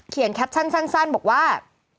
เขียนแคปชั่นบอกว่า